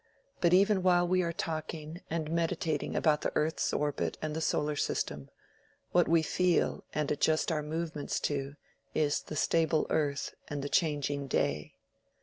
But even while we are talking and meditating about the earth's orbit and the solar system, what we feel and adjust our movements to is the stable earth and the changing day.